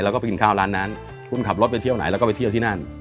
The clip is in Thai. แล้วก็ไปกินข้าวร้านนั้นคุณขับรถไปเที่ยวไหนแล้วก็ไปเที่ยวที่นั่น